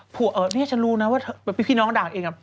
นางก็จะพูดเรื่องว่าพี่น้องด่ายเอง